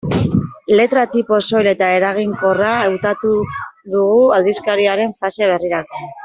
Letra-tipo soil eta eraginkorra hautatu dugu aldizkariaren fase berrirako.